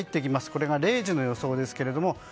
これが０時の予想ですが。